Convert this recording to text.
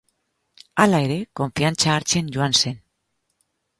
Hala ere, konfiantza hartzen joan zen.